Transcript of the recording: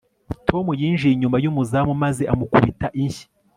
tom yinjiye inyuma y'umuzamu maze amukubita inshyi